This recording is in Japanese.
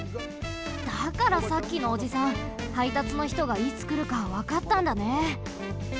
だからさっきのおじさんはいたつのひとがいつくるかわかったんだね。